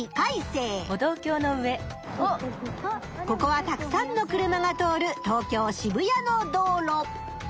ここはたくさんの車が通る東京・渋谷の道路。